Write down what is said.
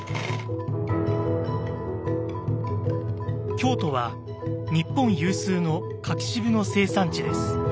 京都は日本有数の柿渋の生産地です。